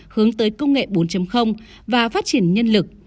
hướng tới công nghệ bốn và phát triển nhân lực